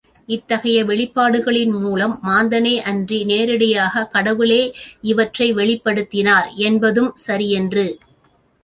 இத்தகைய வெளிப்பாடுகளின்மூலம் மாந்தனேயன்றி, நேரடியாகக் கடவுளே இவற்றை வெளிப்படுத்தினார் என்பதும் சரியன்று.